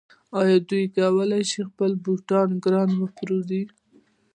آیا دی کولی شي خپل بوټان ګران وپلوري؟